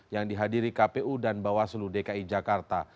yang dihadiri kpu dan bawaslu dki jakarta